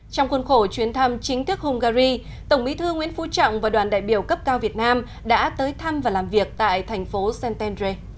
trong khuôn khổ chuyến thăm chính thức hungary tổng bí thư nguyễn phú trọng và đoàn đại biểu cấp cao việt nam đã tới thăm và làm việc tại thành phố santander